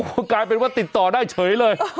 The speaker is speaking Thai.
ก็กลายเป็นว่าติดต่อได้เฉยเลย